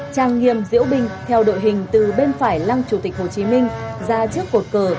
trang nghiêm diễu binh theo đội hình từ bên phải lăng chủ tịch hồ chí minh ra trước cột cờ